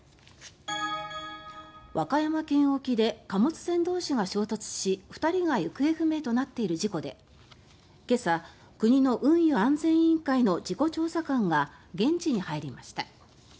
和歌山県沖で貨物船同士が衝突し２人が行方不明となっている事故で今朝、国の運輸安全委員会の事故調査官が現地に入りました。